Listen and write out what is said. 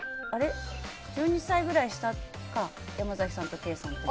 １１歳くらい下か山崎さんとケイさんって。